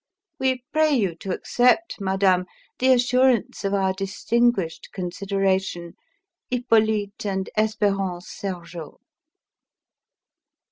We pray you to accept, madame, the assurance of our distinguished consideration, HIPPOLYTE AND ESPÉRANCE SERGEOT.